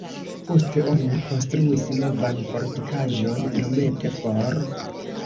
Poste oni konstruis novan fortikaĵon iomete for.